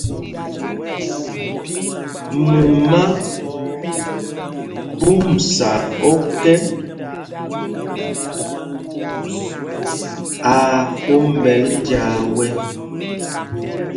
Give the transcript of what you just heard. Mumá phɔmsa ɔ́kɛ, aa kwómbɛl njāā wɛ̄.